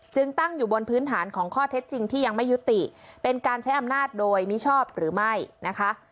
ตั้งอยู่บนพื้นฐานของข้อเท็จจริงที่ยังไม่ยุติเป็นการใช้อำนาจโดยมิชอบหรือไม่นะคะ